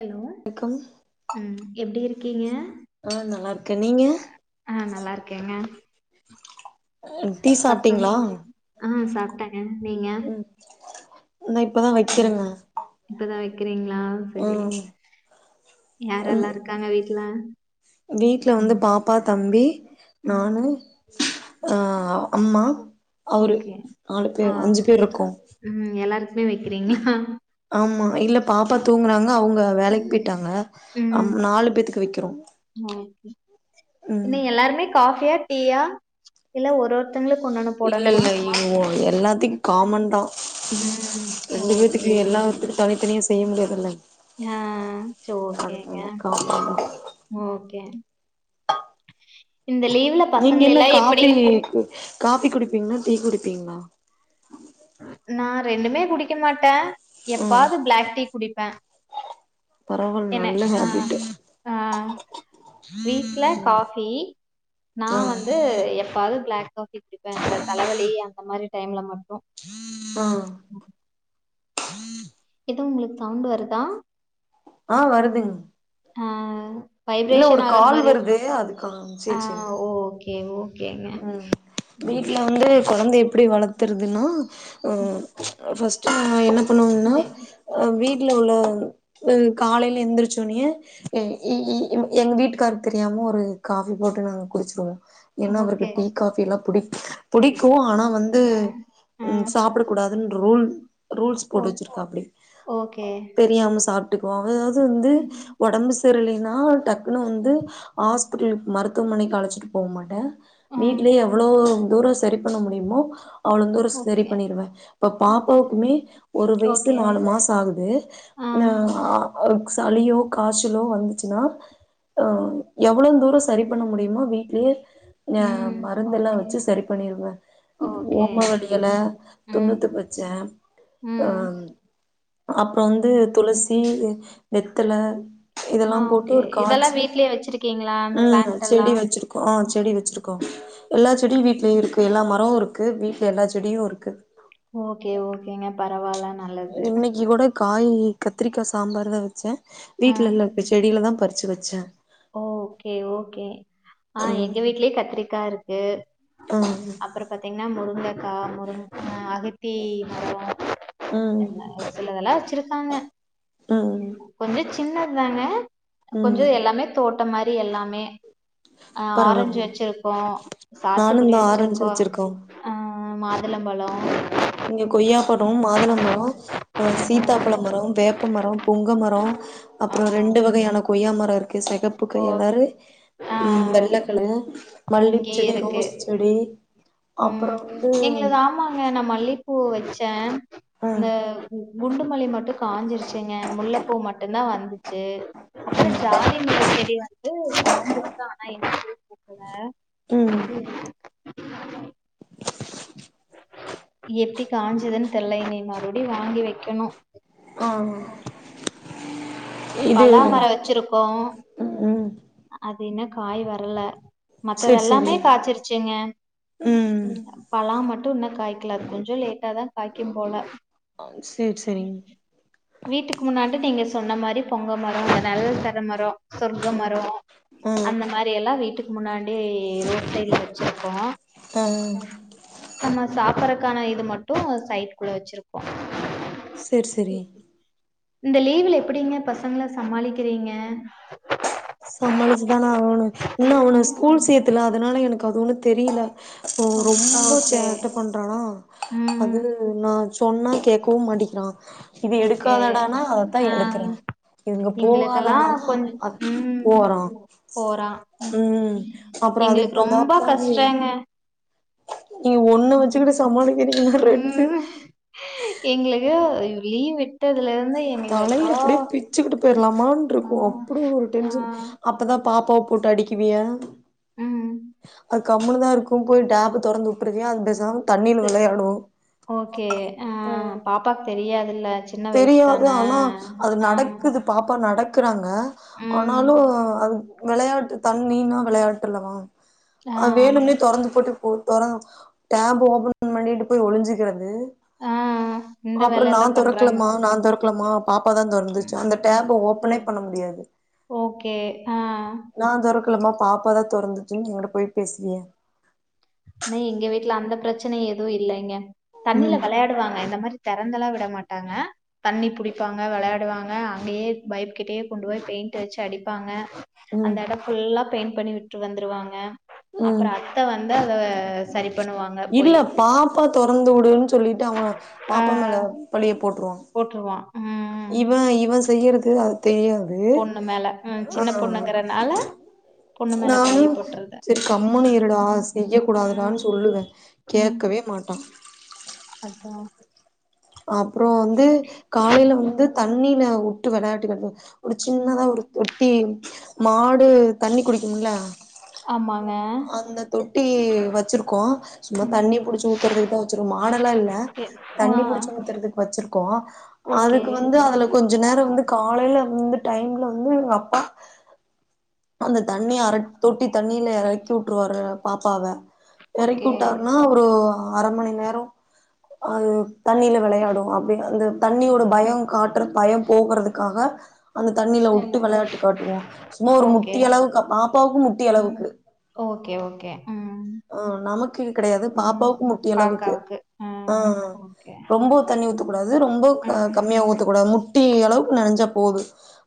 Hello வணக்கம் உம் எப்டி இருக்க இருக்கீங்க ஆஹ் நல்லா இருக்கேன் நீங்க ஆஹ் நல்லா இருக்கேங்க டீ பசங்க சாப்ட்டீங்களா ஆ சாப்ட்டேங்க நீங்க நான் இப்பதான் வைக்கிறங்க வக்கிறிங்க சரி ம் யாரெல்லாம் இருக்காங்க வீட்ல வீட்ல வந்து ம். பாப்பா தம்பி ம். நானு அஹ் அம்மா அவரு ஓகே நாலு பேர் அஞ்சு பேர் இருக்கொம் மே வைக்கிறீங்களா ஆமா இல்ல பாப்பா தூங்குறாங்க அவுங்க வேலைக்கு போயிட்டாங்க நாலு பேத்துக்கு தா த வைக்கிறோம் [inaudible] ன்ன எல்லாருமே காஃபியா டீயா இல்ல ஒரொரு இல்லல்லல் ஒ எல்லாத்தைக்கு காமன்தா உம் ஒகே எல்லாத்துக்கு தனித்தனியா செய்ய முடியாதுல்ல யாஹ் செ ஓகேங்க அதனால காமன் தா ஓகே இந்த லீவ்ல நீங்க பசங்கள என்ன எல்லா எப்டி காஃபி காஃபி குடிப்பீங்களா டீ குடிப்பீங்களா நா ரெண்டுமே குடிக்க மாட்ட எப்பாது பிளாக் டீ குடிப்ப பரவல் நல்ல ஹேபீட்டு ஆ வீட்ல காஃபி நா ஆ வந்து எப்பாது து பிளாக் காஃபி குடிப்ப இந்த தலவலி அந்த மாரி டைம்ல மட் ஆ எதோ உங்ளுக் சவுண்டு வருதா ஆ வருதுங் ஆ இல்ல ஒரு வைப்ரேஷன் ஆகுற கால் மாரி வருது அதுக்காக ஆ சேர் சேர் ஓகே ஓகேங்க உம் வீட்ல வந்து கொழந்த எப்டி வளத்துறதுன்னா ஆ ஃபஸ் நம்ம என்ன பண்ணுவம்னா ம் அ வீட் ல உள்ளவங் காலைல எந்துரச்சோனே இ இ இவங் எங் வீட்டுக்காருக் தெரியாம ஒரு காஃபி போட்டு நாங்க குடிச்ருவோ ஏனா அவருக்கு ஓகே டீ காஃபி எல்லா புடிக் புடிக்கு ஆனா வந்து ஆ ஆ சாப்ட ஹ் கூடாதுன் ரூல் ரூல்ஸ் ஓ போட்டு வெச்சிருக்காப்டி ஓகே தெரியாம சாப் ட்டுக்வோ அதாவ்து வந்து ஒடம்பு ஸ் சரி இல்லைனா டக்குனு வந்து ஆஸ்பிட்ல் மருத்துவமனைக் அழச்சிட்டு போ மாட்ட ஆ வீட்லயே எவ்ளோ தூரோ சரி பண்ண முடியுமோ அவ்ளந்தூரோ சரி ஓகே பண்ணிருவ இப்போ பாப்பாவ்க்குமே ஒரு வய்சு ஓகே நாலு மாச ஆகுது ஆ நா ஆ சளியோ காச்சலோ வந்துச்சுன்னா ஆ எவ்ளந் தூரொ சரி பண்ண முடியுமோ வீட்லயே ஆ ம் மருந்தெல்லா ஓகே வச்சு செரி பண்ணிருவோ ஓகே ஓம வள்ளி எல ம் துண்ணுத்து வெச்சே ஆ ம் அப்றோ வந்து துளசி வெத்தல ஆஹ் ஓக்கே இதல்லா வீட்லயே வெச்சிருக்கிங்க உம் செடி வெச்சிருக்கோ ஆஹ் செடி வெச்சிருக்கோ எல்லா செடியு வீட்லேருக்கு எல்லாம் மரோ இருக்கு வீட்ல எல்லா செடியுருக்கு ஓக்கே ஓக்கேங்க பரவால்ல நல்லது காயி கத்ரிக்கா சாம்பார் தா வெச்சே ஆ வச்சே ஓக்கே ஓக்கே ஆ ம் எங்க வீட்லயே கத்ரிக்கா இருக் கு ம் அப்றோ பாத்திங் என்னா முருங்க கா முருங்ககா அகத்தி மரொ அ சிலதெல்லா வச்சிரு தாங்க அஹ் வ சின்னது தாங்க கொஞ்சொ எல்லாமே தோட் ட மாரி எல்லாமே அஹ் ஆரஞ்சு பரவால்ல வச்சிருக்கோ நானு சாத்துக்குடி இந்த ஆரஞ்சு வச்சிருக்கோ அஹ் மாதுளம்பழொ இங்க கொய்யா பழொ ஆ மாதுளம்பழொ அஹ் சீத்தாப்பழ மரொ வேப்பமரொ பொங்க மரொ ஆ அப்புறோ ரெண்டு வகையான கொய்யா மரொ இருக்கு செகப்பு ஓ கையலாறு ஆ உம் வெள்ளக்கழய மல்லிப் செடி ரோஸ் செடி உம் அப்றோ வந்து எங்களுது ஆமாங்க ந மல்லி பூ வச்சே இந்த ம் உ குண்டுமல்லி மட்டு காஞ்சிருச்சுங்க முல்லப்பூ மட்டு ன வந்துச்சு அப்ற ஜாதி மல்லிச் செடி வந்து [unintelligible] தா நா [unintelligible] புடிங்கி போட்ருவே ம் ம் எப்டி காஞ்சதுன்னு தெர்ல இங்க இன்னு மறுபடி வாங்கி வைக்கணு ஆ ஆ பலாமரோ வச்சிருக் கோ ம் அது இன்ன காய் வரல சேரி மத்ததெல்லாமே சேரி காய்ச்சிருச்சுங்க ம் பலா மட்டு தும் இன்னு காய்க்கல கொஞ்சோ லேட்டா தா காய்க்கும் போல சேரி சேரிங் வீட்டுக்கு முன்னாடி நீங்க சொன்ன மாரி பொங்க மரோ நல்லது தர மரோ சொர்க்க ம் மரோ ம் அந்த மாரியெல்லா வீட்டுக்கு முன்னாடி ரோட் சைட்ல வச்சிருக்கோ ஆ ஆ நம்ம சாப்பறக்கான இது மட்டு சைட்க்குள்ள வச்சிருப்போ செர் செரி இந்த லீவுல எப்புடிங்க பசங்கள சமாளிக்கிறீங்க சமாளிச்சுதான ஆவோணு என்ன ஒன்னு ஸ்கூல் சேத்தில்ல அதனால எனக்கு அது ஒன்னு தெரியில ரொ ரொம்ப ஓகே சேட்ட பண்றானா ம் அதுல நா சொன்னா கேக்கவு மாட்டிக்கிறா இது ஓகே எடுக்காதடானா அததா ஆ எடுக்குறா இங்க எங்களுக்கெல்லா போகாதடானா கொஞ்ச அ ம் போறா ம் அப்றோ எங்களுக்கு ரொம்ப அதுக்குதந்தாப்லாமயே கஷ்டங்க ம் சமாளிக்கிறீங்கன்னா ரெண்டு எங்களுக்கு லீவ் விட்டதுல இருந்து எங்களுக்கு தலைய அப்பா அப்டியே பிச்சுக்கிட்டு போயிர்லாமான்ருக்கு அப்டி ஒரு டென்ஷன் ஆ அப்பதா பாப்பாவ போட்டு அடிக்குவியா ம். அத் கம்முனு தா இருக்கு போய் டேப்பு தொறந்துவுட்ருவியா அது பெசாம [inaudible] ஓகே ஆ பாப்பாக் தெரியாது இல்ல தெரியாது ஆனா அது ஆமா. நடக்குது பாப்பா நடக்குறாங்க ம். ஆனாலு அது வெளையாட்டு தண்ணின்னா வெளையாட்டுலவா ஆ. அவ வேணும்னே தொறந்து போட்டு போ தொற டேப் ஓபன் பண்ணிட்டு போய் ஒளிஞ்சுக்கறது ஆ. இந்த அப்பறோ நா வேலைலாம் தொறக் க்ல பண்றாங்க. மா நா தொறக்லமா பாப்பா தா தொறந்துச்சு அந்த டேப் ஓபனெ பண்ண முடியாது ஓகே. ஆ. நா தொறக் க்லமா பாப்பாதா தொறந்துச்சுன் எங்கிட்ட பொய் பேசுவியா ஆனா எங்க வீட்ல அந்த ப்ரச்சனையெ துவு இல்லேங்க தண்ணில ம் வெளையாடுவாங்க இந்த மாரி தெறந்தலா விட மாட்டாங்க தண்ணி புடிப்பாங்க வெளையாடுவாங்க அங்கயே பைப் கிட்டயே கொண்டு போய் பெயிண்ட் வச்சு அடிப்பாங்க அந்த ம் எடொ ஃபுல்லா பெயிண்ட் பண்ணி விட்டு வந்துருவாங்க அப்ற ம் அத்த வந்தா [unintelligible] ஏ சரி இல்ல பாப்பா தொறந்து விடுன்னு சொல்லிட்டு அவன் ஆ பாப்பா மேல பழிய போட்டுருவாங் போட்டுருவான் ம். இவன் இவன் செய்யறது அது தெரியாது பொண்ணு மேல ம் சின்ன ஆஹ் பொண்ணுங்கறனால பொண்ணு மேல பழிய நானும் போட்டுறது சரி கம்மனு இருடா செய்ய ம் கூடாதுடான்னு சொல்லுவேன் கேட்கவே மாட்டான் அதான் அப்புறம் வந்து காலையில வந்து தண்ணில ட்டு விளையாட்டுக்காக ஒரு சின்னதா ஒரு தொட்டி மாடு தண்ணி குடிக் ங்களா ஆமாங்க இ வச்சிருக்கோம் சும்மா ம் தண்ணி புடிச்சு ஊத்துறதுக்கு தான் வச்சிரு மாடெல்லாம் இல்ல ஓகே ஆ தண்ணி புடிச்சு த்துறதுக்கு வச்சிருக்கோம் ஓகே அதுக்கு வந்து அதுல கொஞ்ச நேரம் வந்து காலையில இந்த டைம்ல வந்து எங்க அப்பா அந்த தண்ணி அர தொட்டி தண் தண்ணியில இறக்கி உட்டுருவாரு பாப்பாவ ஓகே எறக்கூட்டாருன்னா ஒரு அரை மணி நேரம் ஆஹ் தண்ணியில விளையாடும் அப்படிய அந்த தண்ணியோட பயம் காட் பயம் போகறதுக்காக அந்த தண்ணியில விட்டு விளையாட்டு காட்டுவோம் சும்மா ஒரு முட் ஏ ம் ஓகே ஓகே உம் ஆஹ் நமக்கு கிடையாது பாப்பாவுக்கு முட்டி அளவுக்கு பாக்காவுக்கு ம் ஆஹ் ஓகே ரொம்ப தண்ணி ஊத்தக்கூடாது ரொம்ப ம் கம்மியா ஊத்தக்கூடாது முட்டி அளவுக்கு நெறஞ்சாப் போது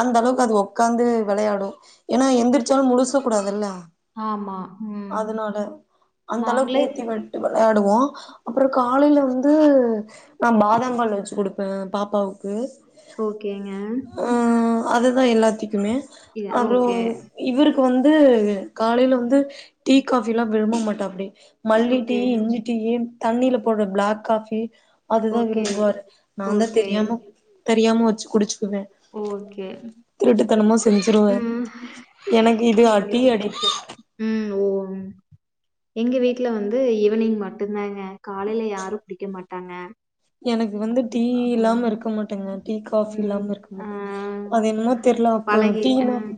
அந்த அளவுக்கு அது உக்காந்து வெளையாடும் ஏன்னா எந்திரிச்சாலு முழுசா கூடாதுல்ல ஆமா ம் அதனால அந்த அளவு நாங்களே ஊத்தி விட்டு வெலா ஆடுவோம் அப்புறம் காலையில வந்து நா பாதா பங்கால வச்சு கொடுப்பேன் பாப்பாவுக்கு ஓகேங்க அது தா‌ எல்லாத்யு துக்குமே இது அப்றோ ஓகே இவுருக்கு அதுக்கு வந்து காலைல வந்து டீ காஃபில்லா பண்ண மாட்டோ அப்டி மல்லி டீ ஓகே இஞ்சி டீயி தண்ணில போடுற பிளாக் காஃபி அதுதா ஓகே விரும்புவாரு நா தா ஓகே தெரியாம தெரியாம வச்சு குடிச்சுக்குவே ஓகே திருட்டுத்தனமா செஞ்சிருவே ம் எனக்கு இது எங்க அடி அடி ஓ ம் எங்க வீட்டுல வந்து ஈவ்னிங் மட்டு தாங்க காலைல யாரும் குடிக்க மாட் ட்டாங்க எனக்கு வந்து டீ இல்லாம இருக்க மாட்டேங்க டீ காஃபி ம். இல்லாம இருக்க ஆ மாட்டே அது என்மோ தெரில அப்ப பழகி டீனா ம்.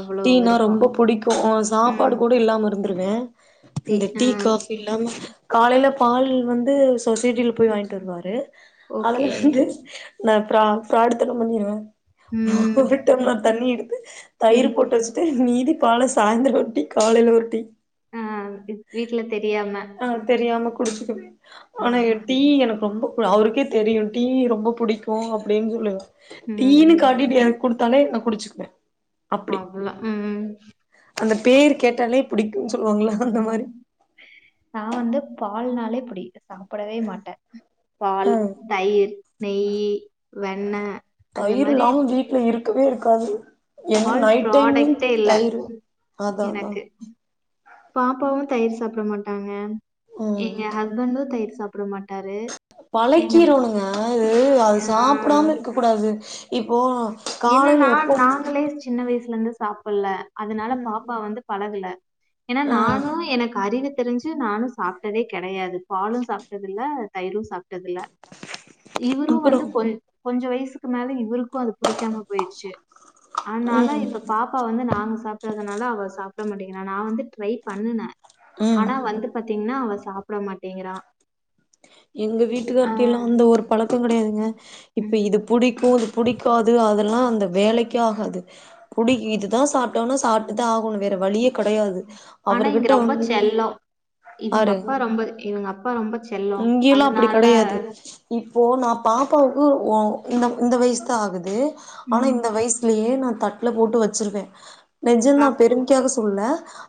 அவ்ளோ டீனா விருப்பம். ரொம்ப பிடிக்கு ம். சாப்பாடு கூட இல்லாம இருந்துருவேன் இந்த டீ காஃபி இல்லாம காலைல பால் வந்து சொசைட்டில போய் வாங்கிட்டு கிட்டு வருவாரு ஓகே. அதுல வந்து நா பிரான் ஃபிராடு தனோ பண்ணிடுவே ம். ஒரு ம். டம்ளர் தண்ணி எடுத்து ம். தயிர் போட்டு வச்சுட்டு மீதி பால்ல சாயந்தரோ ஒரு டீ காலைல ஒரு டீ ஆஹ் வீட்ல தெரியாம குடிச்சுக்கனு ஆ. ஆனா எ டீ எனக் அவருக்கே தெரியு டீ ரொம் பப் புடிக்கு அப்டின் சொல்லுவே டீ னு ம். காட்டிட்டு எனக்கு குடுத்தாலே நா குடிச்சுக்க [unintelligible] அவ்ளோ ம் அந்த பேர் கேட்டாலே புடிக்குன்னு சொல்லுவாங்கள அந்த ம் மாரி நா வந்து பா பால்நாளே புடி சாப்டவே மாட்டே ஆ பால் தயிர் நெய்யி வெண்ண தயிர் இல்லாம வீட்ல இருக்கவே இருக் காது பால் ப்ராடக்டே இல்ல அதா அதா எனக்கு பாப்பாவு தயிர் சாப்பட மாட்டாங்க எங்க ஹஸ்பண்டு தயிர் சாப் டுமாட் பழக் கீரோண்ணுங்க இது அது ஆ சாப்டாம இருக்க கூடாது இப்போ காலைல என்னன்னா எப்பவு நாங்களே சின்ன வயசுல இருந்து சாப்பில்ல அதனால ம் பாப்பா வந்து பழகல ஏனா ஆ நானு எனக்கு அறிவு தெரிஞ்சு நானு சாப்ட்டதே கெடையாது பாலும் சாப்ட்டத இல்ல தயிரும் சாப்ட் டது இல்ல இவரு அப்புறோ வந்து கொ கொஞ்ச வயசு சு க்கு மேல இவருக்கு அது புடிக்காம போயிருச்சு ஆனால ம் இப்ப பாப்பா வந்து நாங்க சாப்ட்டதுனால அவ சாப்பட மாட்டேங்குற நா வந்து ட்ரை பண்ணனே ம் ஆனா வந்து பாத்தீங்கன்னா அவ சாப்பட மாட்டேங்கிறா எங்க ஆ வீட்டுக்கார்கிட்ட எல்லா அந்த ஒரு பழக்கோ கெடையாதுங்க இப்ப ம் இது புடிக்கு இது புடிக் க்காது அதெல்லா அந்த வேலைக்கே ஆகாது குடி இதுதான் சாப்டாகோனா டாது அதெல்லா அந்த வேலைக்காக அது சாப்பிட்டுதா ஆகணு வேற வழியே கெடையாது ஆனா இங்க அவர்கிட்ட ரொம்ப வந்து செல்லம் இவங்க ஆரு அப்பா ரொம்ப இவங்க அப்பா ரொம்ப செல்லம் இங்கேயல்லா அப்படி அதனால கெடையாது இப்போ நா பாப்பாவுக்கு ஒ இந்த இந்த வயசுதா ஆகுது ஆனா ம் இந்த வயசுலயே நா தட்டு அல போட்டு வச்சிருவே நெஜம் மா சாப் பெருமிக்காக சொல்லல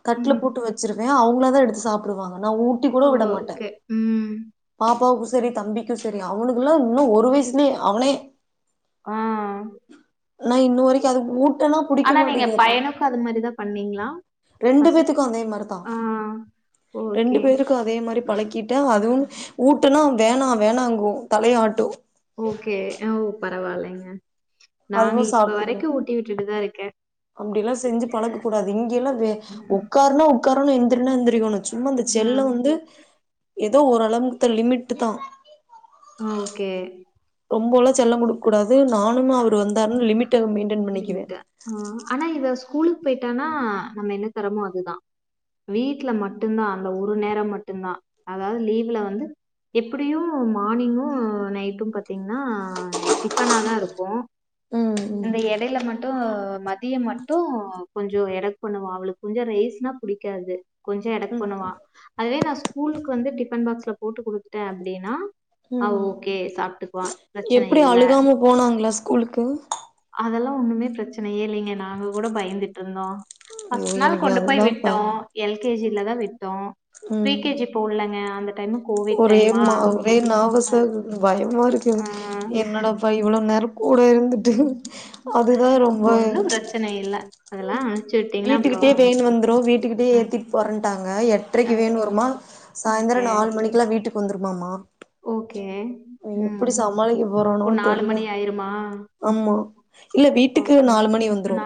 கட்டல ம் போட்டு வச்சிருவே அவங்களா எடுத்து சாப்பிடுவா ஆனா ஊட்டி கூட விட மாட்ட ஓகே ம் பாப்பாக்கு சரி தம்பிக்கும் சரி அவனுக்கெல்லா இன்னும் ஒரு வயசுலயே அவனே ம் ஆனா இன்ன வரைக்கும் அதுக்கு ஊ ஆனா நீங்க பையனுக்கும் அது மாதிரிதா பண்ணீங்களா ரெண்டு பேத்துக்கு பேர் அதே மாரிதா ஆ ஓகே பழக்கி அதுவு ஊட்டுனா வேணா வேணாங்க தலைய ஆட்டும் ஓகே ஓ பரவாயில்லைங்க நாங்க இப்ப வரைக்கும் ஊட்டி விட்டுட்டுதா இருக்க அப்படி எல்லாம் செஞ்சு பழக்க கூடாது இங்கெல்லாம் வே உட்காருனா உக்காரன்னும் எந்திரினா எந்திரிக்கணு சும்மா இந்த செல்லம் வந்து ஏதோ ஓரள அளம்தல் லிமிட் தா ஆ ஓகே ரொம்பெல்லா செல்லம் கொடுக்க கூடாது நானும் அவர் லிமிட்ட ஆனா இத ஸ்கூலுக்கு போயிட்டானா நம்ம என்ன தரமோ அதுதா வீட்ல மட்டும்தான் அந்த ஒரு நேரம் மட்டும் தான் அதாவது லீவ்ல வந்து எப்படியும் மார்னிங்கும் நைட்டும் பாத்தீங்கன்னா டிப்பனா தா இருக்கும் ம் இந்த இடையில மட்டும் மதியம் மட்டும் கொஞ்ச எடக்கு பண்ணுவா அவளுக்கு கொஞ்சம் ரைஸ்னா பிடிக்காது கொஞ்ச எடக்கு ம் பண்ணுவா அதே நா ஸ்கூலுக்கு வந்து டிபன் பாக்ஸ்ல போட்டு குடுத்துட்டேன் அப்படின்னா ம் அவ ம் ஓகே சாப்பிட்டுக்குவா பிரச்சனை இல்ல ஸ்கூல்க்கு அதெல்லா ஒண்ணுமே பிரச்சனையே இல்லைங்க நாங்க கூட பயந்துட்டு இருந்தோம் ஐயோ ஃபர்ஸ்ட் நாள் எனக்கு கொண்டு போய் அதுதா பய விட்டோம் எல் கேஜி லதா விட்டோம் பிரி ம் கேஜி போடலங்கா ஒரே மா ஒரே அ நர்வசா இருக்கு பயமா இருக்கு ஆ என்னடாப்ப இவ்ள நேர கூட இருந்துட்டு அதுதா ரொம்ப ஒன்னு பிரச்சன இல்ல அதெல்லா அனுப்ச்சு விட்டீங்கன்னா அப்றோ வீட்டுக்கிட்டயே வேன் வந்துரோ வீட்டுக்கிட்டயே ம் ஏத்திட்டு போறேன்ட்டாங்க எட்ரைக்கு வேன் ஓகே வருமா சாய்ந்தரோ ஓகே நாலு மணிக்கக்குல்லா வீட் வீட்டுக்கு வந்துருமாமா ஓகே எப்டி ம் சமாளிக்க போறேனோ இப்போ நாலு தெரில மணி ஆயிருமா ஆமா இல்ல வீட்டுக்கு நாலு மணி வந்துரோ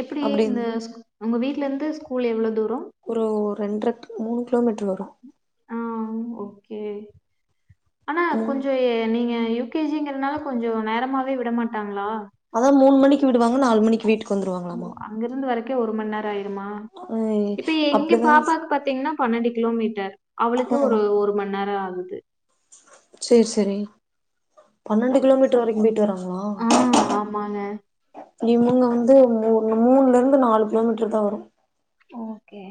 எப்படி இந்த ஸ் உங்க வீட்ல இருந்து ஸ்கூல் எவ்ளோ தூரோ ஒரு ரெண்டரை டூ மூணு கிலோமீட்டர் வரோ ஆஹ் ஓகே ஆனா ம் கொஞ்சோ எ நீங்க யு கே ஜி ங்கறனால கொஞ்சோ நேரமாவே விட மாட்டாங்களா அத்தா மூணு மணிக்கு விடுவாங்க நாலு மணிக்கு வீட்டுக்கு ஓ வந்துருவாங்களாமா அங்க இருந்து வரக்கே ஒரு மணி நேரோ ஆயிருமா ம் இப்ப எங்க அப்டிதா பாப்பாக்கு பாத்தீங்கன்னா பன்னெண்டு கிலோமீட்டர் அவளுக்கு ஒரு ஒரு மணி நேரோ ஆகுது சரி சரி பன்னெண்டு கிலோமிட்டர்வரைக்கும் போயிட்டு வரும் ஆஹ் ஆமாங்க இமுங்க வந்து மூ மூணுல இருந்து நாலு கிலோமீட்ரு தா வர ஓகே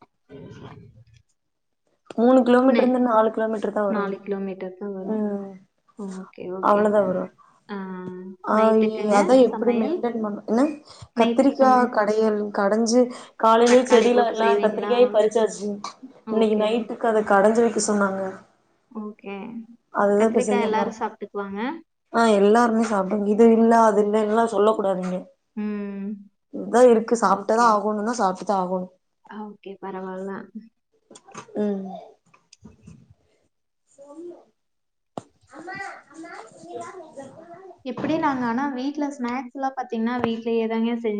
[inaudible] மூணு நே கிலோமீட்டர் இருந்து நாலு கிலோமீட்டர் தான் வரும் நாலு கிலோமீட்டர் தான் வரும் உம் ஓகே ஓகேங்க அவ்வளோதான் வரும்ஹ் ஆ நைட்டுக்குங்க அதான் எப்படி சமையல் மைண்டன் என்ன நைட்டுக்கு சமையல் கத்திரிக்காய் கடையல் கடைஞ்சு காலையிலய தக்காளி செடியிலா போட்டு எல்லா செய்வீங்களா கத்திரிக்காய் பறிச்சாச்சு இன்னைக்கு ஓகே நைட் கடைஞ்சு வைக்க சொன்னாங்க ஓகே அதுதான் இப்ப கத்திரிக்கா செய்ய போறேன் எல்லாரும் சாப்ட்டுக்குவாங்க ஆஹ் எல்லாருமே சாப்படுங்க இது இல்ல அது இன்னலாம் சொல்ல கூடாதீங்க ம் இதா இருக்கு சாப்பிட்ட ஓகே தான் ஆகணும் தான் சாப்பிட்டுதான் ஆகணும் ஓகே பரவால்ல உம் அம்மா அம்மா எப்படி நாங்க ஆனா வீடல ஸ்நாக்ஸ் எல்லா பாத்தீங்கன்னா விட்லேயேதாங்கே செஞ